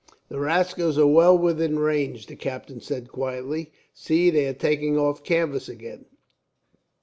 "The rascals are well within range," the captain said quietly. "See, they are taking off canvas again.